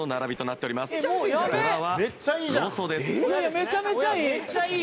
めちゃめちゃいい！